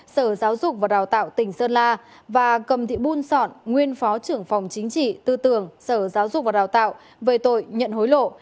sở giáo dục và đào tạo tỉnh sơn la và cầm thị buôn sọn nguyên phó trưởng phòng chính trị tư tưởng sở giáo dục và đào tạo về tội nhận hối lộ